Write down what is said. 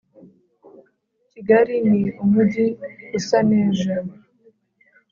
kigali ni umujyi usaneza